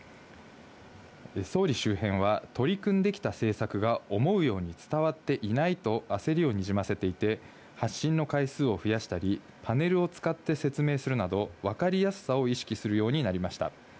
総理周辺は、取り組んできた政策が思うように伝わっていないと焦りをにじませていて、発信の回数を増やしたり、パネルを使って説明するなど、分かりやすさを意識するようになりました。